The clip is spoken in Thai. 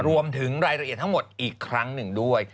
รวมถึงรายละเอียดทั้งหมดอีกครั้งหนึ่งด้วย